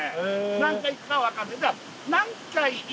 何回いくか分からない